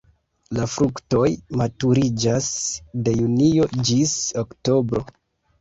La fruktoj maturiĝas de junio ĝis oktobro.